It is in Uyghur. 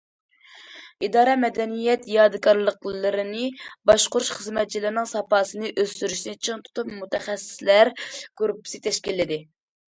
ئىدارە مەدەنىيەت يادىكارلىقلىرىنى باشقۇرۇش خىزمەتچىلىرىنىڭ ساپاسىنى ئۆستۈرۈشنى چىڭ تۇتۇپ، مۇتەخەسسىسلەر گۇرۇپپىسى تەشكىللىدى.